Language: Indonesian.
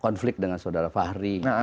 konflik dengan saudara fahri